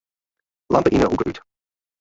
Lampe yn 'e hoeke út.